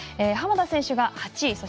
浜田選手が８位。